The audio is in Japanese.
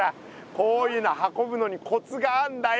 こういうのは運ぶのにコツがあんだよ。